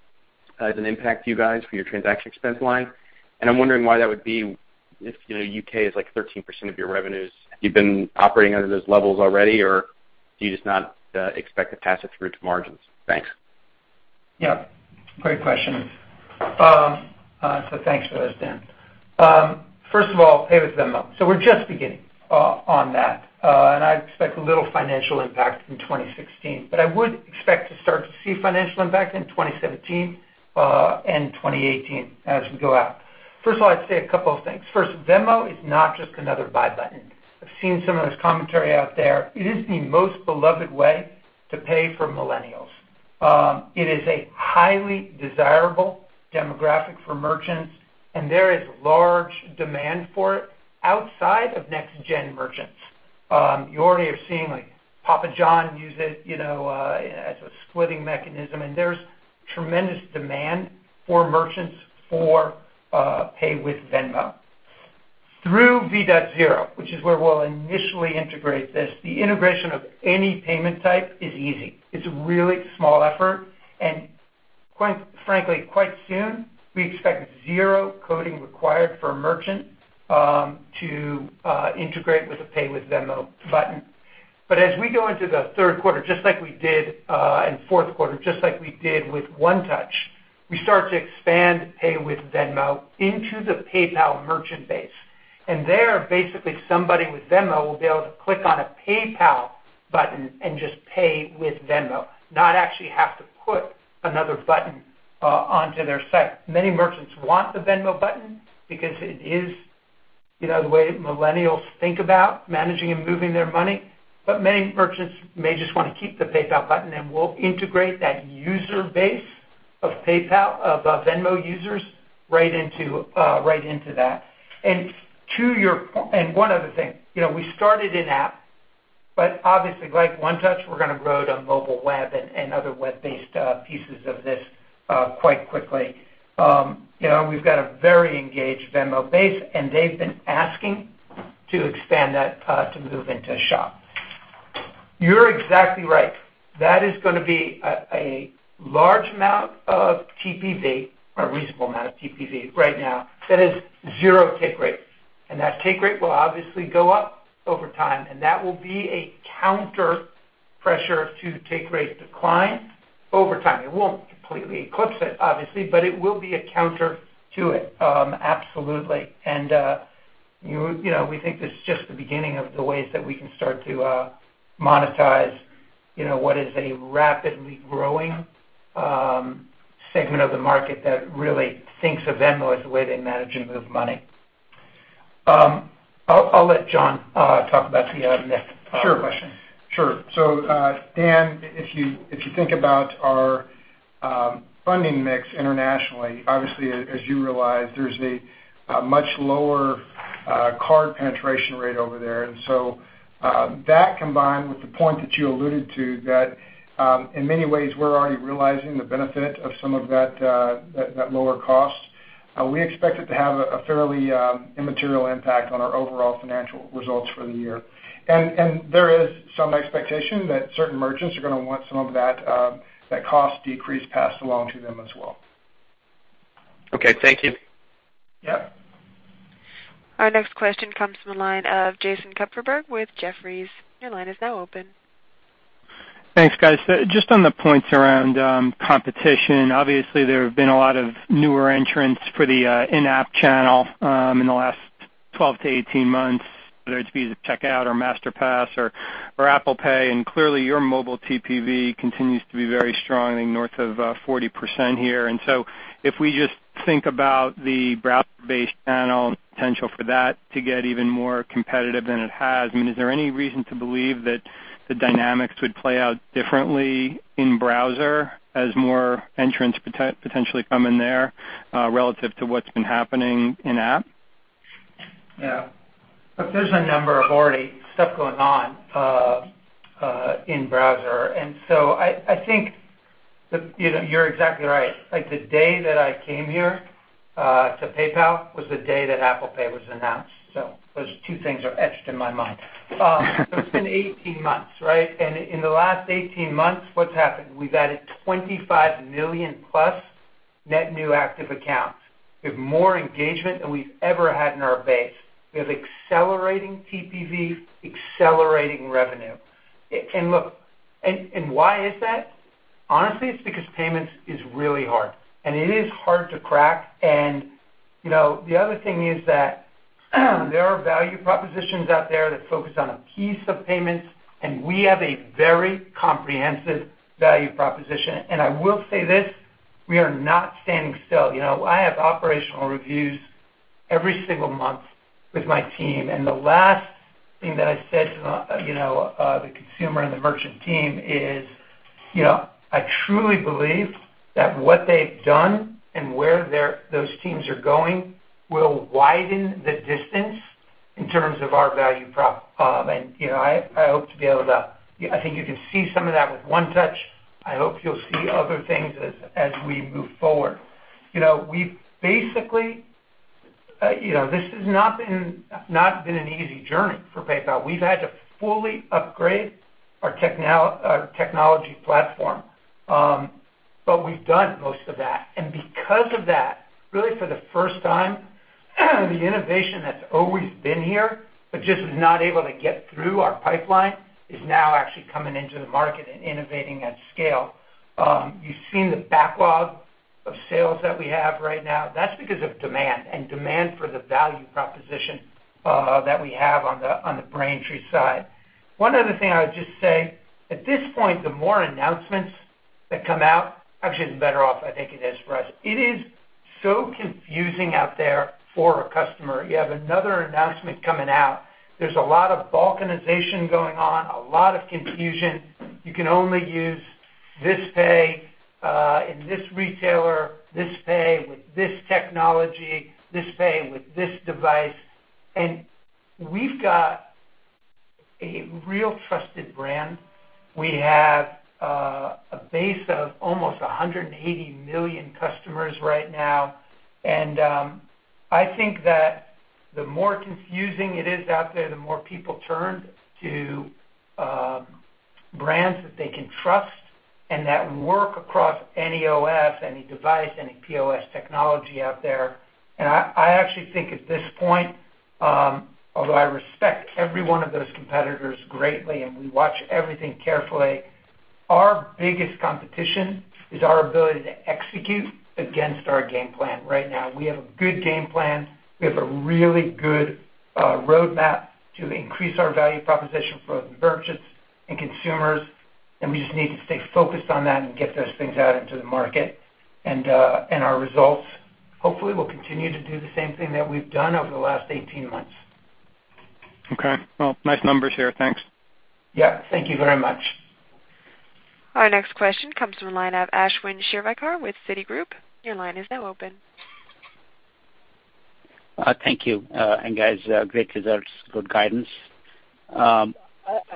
as an impact to you guys for your transaction expense line? I'm wondering why that would be if U.K. is 13% of your revenues. You've been operating under those levels already, or do you just not expect to pass it through to margins? Thanks. Yeah, great questions. Thanks for those, Dan. First of all, Pay with Venmo. We're just beginning on that. I expect little financial impact in 2016. I would expect to start to see financial impact in 2017 and 2018 as we go out. First of all, I'd say a couple of things. First, Venmo is not just another buy button. I've seen some of this commentary out there. It is the most beloved way to pay for millennials. It is a highly desirable demographic for merchants, and there is large demand for it outside of next-gen merchants. You already are seeing Papa John's use it as a splitting mechanism, and there's tremendous demand for merchants for Pay with Venmo. Through v.0, which is where we'll initially integrate this, the integration of any payment type is easy. It's a really small effort, and quite frankly, quite soon, we expect zero coding required for a merchant to integrate with a Pay with Venmo button. As we go into the third quarter, just like we did in fourth quarter, just like we did with One Touch, we start to expand Pay with Venmo into the PayPal merchant base. There, basically, somebody with Venmo will be able to click on a PayPal button and just pay with Venmo, not actually have to put another button onto their site. Many merchants want the Venmo button because it is the way millennials think about managing and moving their money. Many merchants may just want to keep the PayPal button, and we'll integrate that user base of Venmo users right into that. One other thing. We started in-app, but obviously, like One Touch, we're going to grow it on mobile web and other web-based pieces of this quite quickly. We've got a very engaged Venmo base, and they've been asking to expand that to move into shop. You're exactly right. That is going to be a large amount of TPV, a reasonable amount of TPV right now, that is zero take rate. That take rate will obviously go up over time, and that will be a counterpressure to take rate decline over time. It won't completely eclipse it, obviously, but it will be a counter to it. Absolutely. We think this is just the beginning of the ways that we can start to monetize what is a rapidly growing segment of the market that really thinks of Venmo as the way they manage and move money. I'll let John talk about the next question. Sure. Dan, if you think about our funding mix internationally, obviously as you realize, there's a much lower card penetration rate over there. That combined with the point that you alluded to, that in many ways we're already realizing the benefit of some of that lower cost. We expect it to have a fairly immaterial impact on our overall financial results for the year. There is some expectation that certain merchants are going to want some of that cost decrease passed along to them as well. Okay. Thank you. Yeah. Our next question comes from the line of Jason Kupferberg with Jefferies. Your line is now open. Thanks, guys. Just on the points around competition, obviously there have been a lot of newer entrants for the in-app channel in the last 12-18 months, whether it be the Checkout or Masterpass or Apple Pay, and clearly your mobile TPV continues to be very strong, north of 40% here. If we just think about the browser-based channel and the potential for that to get even more competitive than it has, is there any reason to believe that the dynamics would play out differently in-browser as more entrants potentially come in there, relative to what's been happening in-app? Yeah. Look, there's a number of already stuff going on in-browser, I think you're exactly right. Like, the day that I came here to PayPal was the day that Apple Pay was announced. Those two things are etched in my mind. It's been 18 months, right? In the last 18 months, what's happened? We've added 25 million-plus net new active accounts. We have more engagement than we've ever had in our base. We have accelerating TPV, accelerating revenue. Look, why is that? Honestly, it's because payments is really hard, and it is hard to crack. The other thing is that there are value propositions out there that focus on a piece of payments, and we have a very comprehensive value proposition. I will say this, we are not standing still. I have operational reviews every single month with my team, the last thing that I said to the consumer and the merchant team is, I truly believe that what they've done and where those teams are going will widen the distance in terms of our value prop. I think you can see some of that with One Touch. I hope you'll see other things as we move forward. This has not been an easy journey for PayPal. We've had to fully upgrade our technology platform. But we've done most of that. Because of that, really for the first time, the innovation that's always been here, but just was not able to get through our pipeline, is now actually coming into the market and innovating at scale. You've seen the backlog of sales that we have right now. That's because of demand and demand for the value proposition that we have on the Braintree side. One other thing I would just say. At this point, the more announcements that come out, actually the better off I think it is for us. It is so confusing out there for a customer. You have another announcement coming out. There's a lot of balkanization going on, a lot of confusion. You can only use this pay in this retailer, this pay with this technology, this pay with this device. We've got a real trusted brand. We have a base of almost 180 million customers right now, I think that the more confusing it is out there, the more people turn to brands that they can trust and that work across any OS, any device, any POS technology out there. I actually think at this point, although I respect every one of those competitors greatly, and we watch everything carefully, our biggest competition is our ability to execute against our game plan right now. We have a good game plan. We have a really good roadmap to increase our value proposition for both merchants and consumers, and we just need to stay focused on that and get those things out into the market. Our results, hopefully, will continue to do the same thing that we've done over the last 18 months. Okay. Well, nice numbers here. Thanks. Yeah. Thank you very much. Our next question comes from the line of Ashwin Shirvaikar with Citigroup. Your line is now open. Thank you. Guys, great results, good guidance.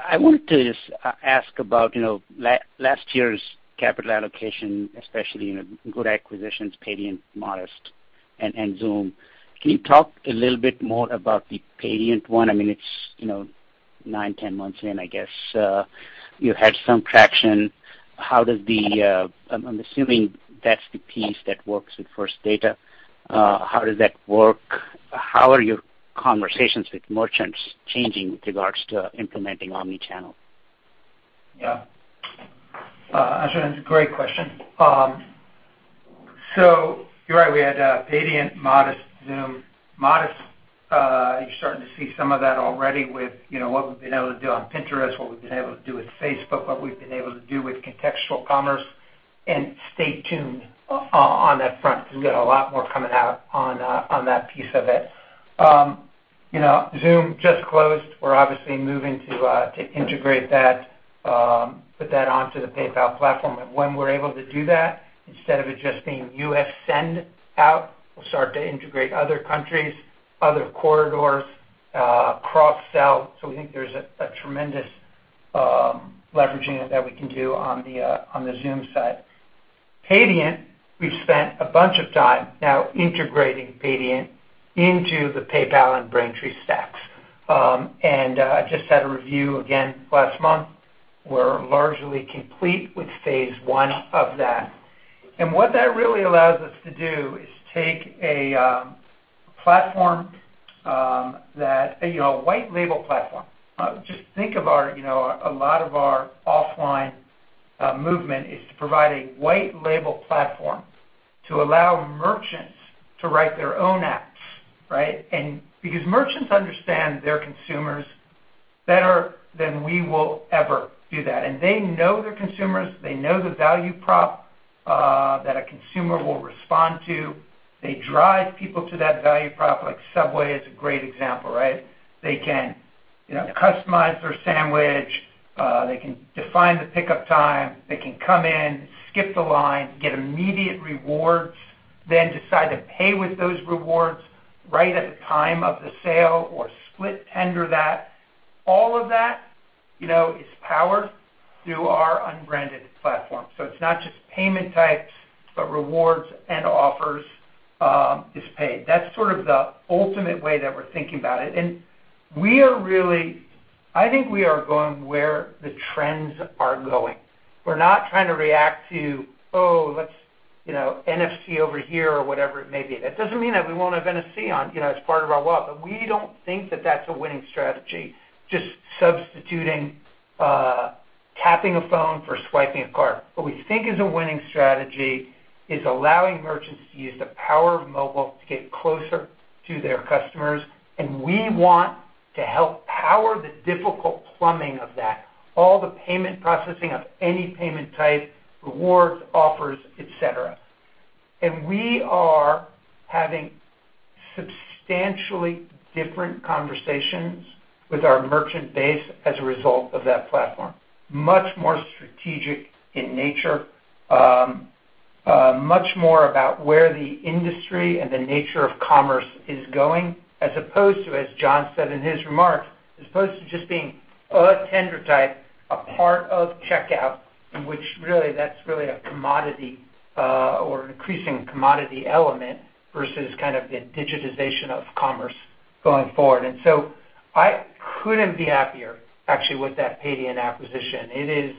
I wanted to just ask about last year's capital allocation, especially good acquisitions, Paydiant, Modest Xoom. Can you talk a little bit more about the Paydiant one? It's nine, 10 months in, I guess. You had some traction. I'm assuming that's the piece that works with First Data. How does that work? How are your conversations with merchants changing with regards to implementing omni-channel? Yeah. Ashwin, it's a great question. You're right, we had Paydiant, Modest, Xoom. Modest, you're starting to see some of that already with what we've been able to do on Pinterest, what we've been able to do with Facebook, what we've been able to do with contextual commerce. Stay tuned on that front because we've got a lot more coming out on that piece of it. Xoom just closed. We're obviously moving to integrate that, put that onto the PayPal platform. When we're able to do that, instead of it just being U.S. send out, we'll start to integrate other countries, other corridors, cross-sell. We think there's a tremendous leveraging that we can do on the Xoom side. Paydiant, we've spent a bunch of time now integrating Paydiant into the PayPal and Braintree stacks. I just had a review again last month. We're largely complete with phase 1 of that. What that really allows us to do is take a white label platform. Just think of a lot of our offline movement is to provide a white label platform to allow merchants to write their own apps, right? Because merchants understand their consumers better than we will ever do that. They know their consumers. They know the value prop that a consumer will respond to. They drive people to that value prop, like Subway is a great example, right? They can customize their sandwich. They can define the pickup time. They can come in, skip the line, get immediate rewards, then decide to pay with those rewards right at the time of the sale or split tender that. All of that is powered through our unbranded platform. It's not just payment types, but rewards and offers is paid. That's sort of the ultimate way that we're thinking about it. I think we are going where the trends are going. We're not trying to react to, oh, let's NFC over here or whatever it may be. That doesn't mean that we won't have NFC on as part of our wallet, but we don't think that that's a winning strategy, just substituting tapping a phone for swiping a card. What we think is a winning strategy is allowing merchants to use the power of mobile to get closer to their customers, and we want to help power the difficult plumbing of that. All the payment processing of any payment type, rewards, offers, et cetera. We are having substantially different conversations with our merchant base as a result of that platform. Much more strategic in nature. Much more about where the industry and the nature of commerce is going, as opposed to, as John said in his remarks, as opposed to just being a tender type, a part of checkout, and which that's really a commodity or an increasing commodity element versus the digitization of commerce going forward. I couldn't be happier actually with that Paydiant acquisition. It is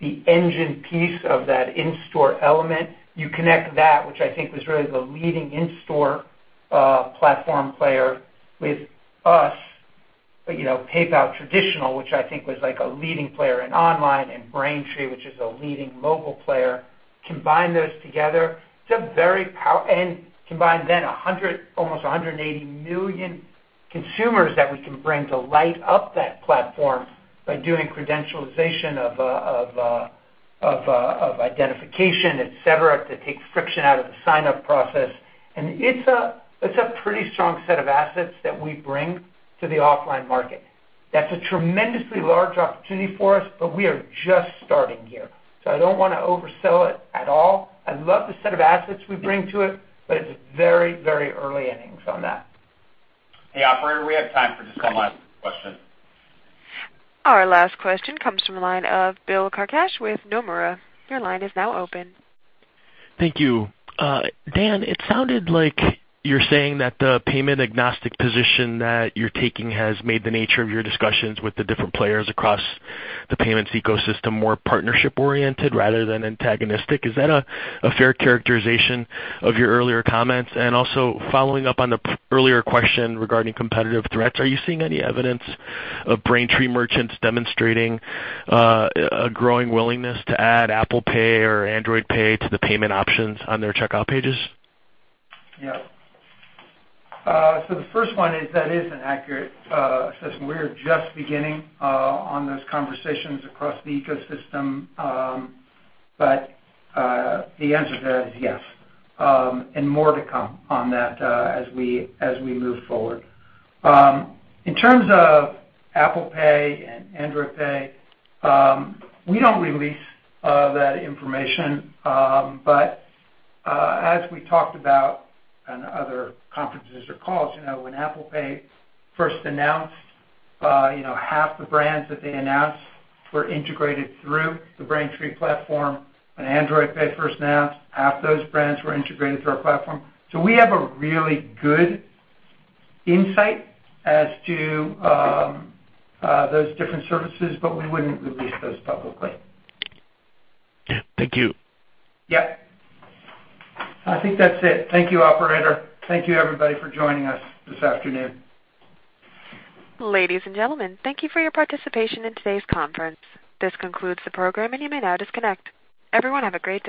the engine piece of that in-store element. You connect that, which I think was really the leading in-store platform player with us, PayPal traditional, which I think was a leading player in online, and Braintree, which is a leading mobile player. Combine those together, and combine then almost 180 million consumers that we can bring to light up that platform by doing credentialization of identification, et cetera, to take friction out of the sign-up process. It's a pretty strong set of assets that we bring to the offline market. That's a tremendously large opportunity for us, but we are just starting here. I don't want to oversell it at all. I love the set of assets we bring to it, but it's very early innings on that. Hey, operator, we have time for just one last question. Our last question comes from the line of Bill Carcache with Nomura. Your line is now open. Thank you. Dan, it sounded like you're saying that the payment-agnostic position that you're taking has made the nature of your discussions with the different players across the payments ecosystem more partnership-oriented rather than antagonistic. Is that a fair characterization of your earlier comments? Also following up on the earlier question regarding competitive threats, are you seeing any evidence of Braintree merchants demonstrating a growing willingness to add Apple Pay or Android Pay to the payment options on their checkout pages? Yeah. The first one is that is an accurate assessment. We are just beginning on those conversations across the ecosystem. The answer to that is yes, and more to come on that as we move forward. In terms of Apple Pay and Android Pay, we don't release that information. As we talked about on other conferences or calls, when Apple Pay first announced, half the brands that they announced were integrated through the Braintree platform. When Android Pay first announced, half those brands were integrated through our platform. We have a really good insight as to those different services, but we wouldn't release those publicly. Thank you. Yeah. I think that's it. Thank you, operator. Thank you everybody for joining us this afternoon. Ladies and gentlemen, thank you for your participation in today's conference. This concludes the program, and you may now disconnect. Everyone, have a great day.